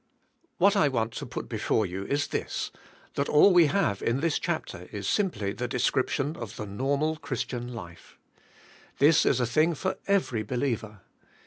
What I want to put before you is this, that all we 16 THB SPIRITUAL LIFE. Have in this chapter is simply the description of the normal Christian life. This is a thing for every believer.